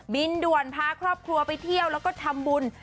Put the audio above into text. บินด่วนพาครอบครัวไปเที่ยวแล้วก็ทำบุญ